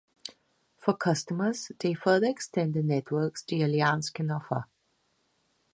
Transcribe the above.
For customers, they further extend the network the alliance can offer.